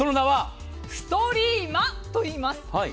ストリーマといいます。